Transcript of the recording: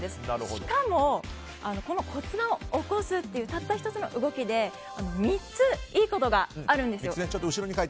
しかも骨盤を起こすというたった１つの動きで３ついいことがあるんですよ。